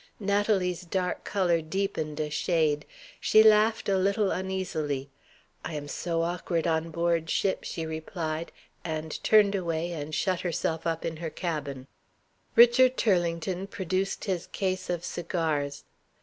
Natalie's dark color deepened a shade. She laughed, a little uneasily. "I am so awkward on board ship," she replied, and turned away and shut herself up in her cabin. Richard Turlington produced his case of cigars.